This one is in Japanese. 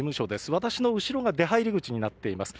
私の後ろが出入り口になっています。